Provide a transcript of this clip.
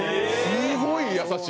すごい優しい。